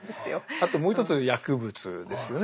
あともう一つ薬物ですよね